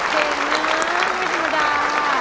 เก่งนะพี่ดูดา